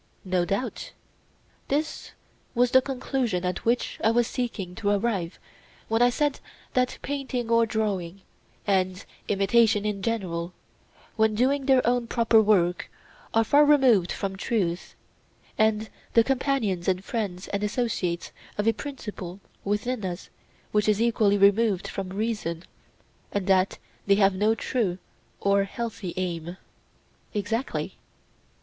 No doubt. This was the conclusion at which I was seeking to arrive when I said that painting or drawing, and imitation in general, when doing their own proper work, are far removed from truth, and the companions and friends and associates of a principle within us which is equally removed from reason, and that they have no true or healthy aim. Exactly.